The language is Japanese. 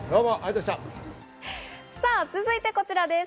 続いて、こちらです。